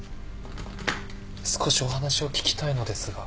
少しお話を聞きたいのですが。